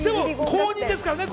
公認ですからね。